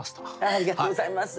ありがとうございます。